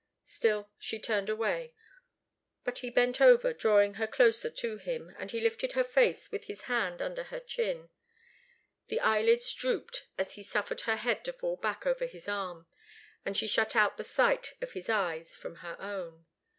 Still she turned away, but he bent over, drawing her closer to him, and he lifted her face with his hand under her chin. The eyelids drooped as she suffered her head to fall back over his arm, and she shut out the sight of his eyes from her own.